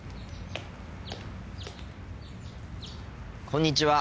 こんにちは。